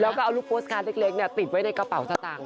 แล้วก็เอาลูกโปสคาร์เล็กเนี่ยติดไว้ในกระเป๋าสตางค์